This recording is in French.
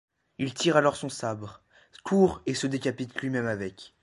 Il tire alors son sabre court et se décapite lui-même avec.